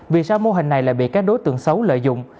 vì sao mô hình này lại bị các đối tượng xấu lợi dụng